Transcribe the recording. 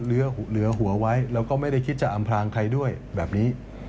เหลือหัวไว้แล้วก็ไม่ได้คิดจะอำพลางใครด้วยแบบนี้